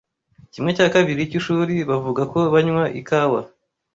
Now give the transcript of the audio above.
Kimwe cya kabiri cy'ishuri bavuga ko banywa ikawa.